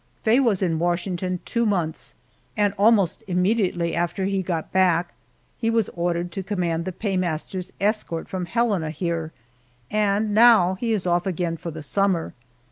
Faye was in Washington two months, and almost immediately after he got back he was ordered to command the paymaster's escort from Helena here, and now he is off again for the summer!